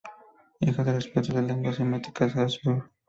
Hijo del experto en lenguas semíticas Hans Bauer.